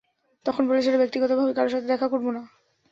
তখন বলেছিলে ব্যক্তিগতভাবে কারো সাথে দেখা করব না।